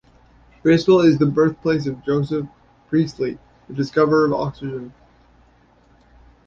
Birstall is the birthplace of Joseph Priestley, the discoverer of oxygen.